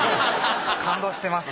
感動してます。